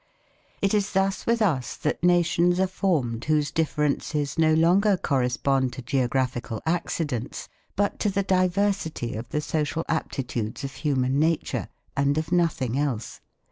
It is thus with us that nations are formed whose differences no longer correspond to geographical accidents but to the diversity of the social aptitudes of human nature and of nothing else.